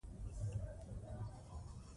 لائق احمد زما خوږ ملګری دی